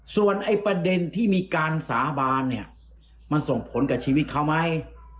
ส่วนไอ้ประเด็นที่มีการสาบานเนี่ยมันส่งผลกับชีวิตเขาไหม